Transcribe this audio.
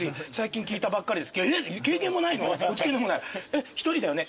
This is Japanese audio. えっ独りだよね？